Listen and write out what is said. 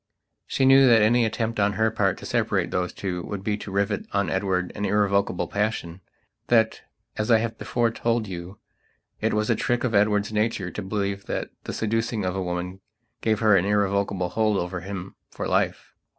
She knew that any attempt on her part to separate those two would be to rivet on Edward an irrevocable passion; that, as I have before told you, it was a trick of Edward's nature to believe that the seducing of a woman gave her an irrevocable hold over him for life.